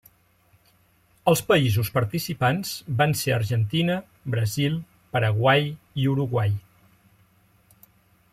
Els països participants van ser Argentina, Brasil, Paraguai i Uruguai.